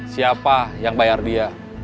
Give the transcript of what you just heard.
siapa yang bayar dia